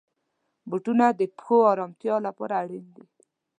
بوټونه د پښو آرامتیا لپاره اړین دي.